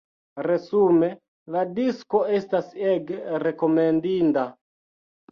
Resume: la disko estas ege rekomendinda!